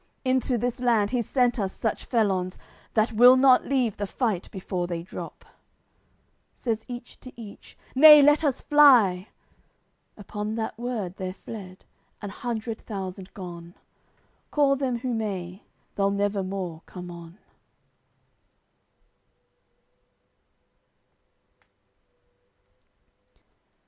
Into this land he's sent us such felons That will not leave the fight before they drop." Says each to each: "Nay let us fly!" Upon That word, they're fled, an hundred thousand gone; Call them who may, they'll never more come on.